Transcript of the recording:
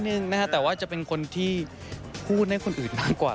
หนึ่งนะฮะแต่ว่าจะเป็นคนที่พูดให้คนอื่นมากกว่า